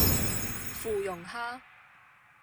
芙蓉蝦